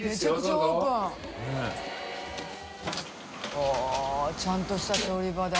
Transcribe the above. はぁちゃんとした調理場だ。